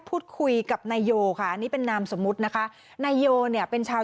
พูดคุยกับนายโยค่ะอันนี้เป็นนามสมมุตินะคะนายโยเนี่ยเป็นชาว